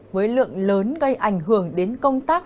với lượng lớn gây ảnh hưởng đến công tác